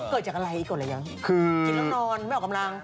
เกิดจากอะไรกลายนะกินแล้วนอนไม่ออกกำลาง